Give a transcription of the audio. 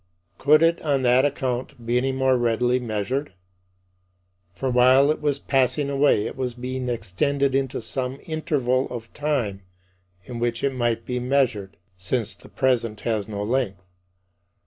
Could it, on that account, be any more readily measured? For while it was passing away, it was being extended into some interval of time in which it might be measured, since the present has no length.